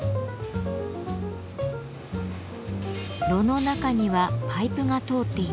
炉の中にはパイプが通っています。